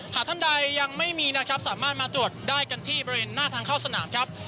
ท่านใดยังไม่มีนะครับสามารถมาตรวจได้กันที่บริเวณหน้าทางเข้าสนามครับ